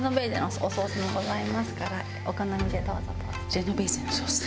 ジェノベーゼのソース？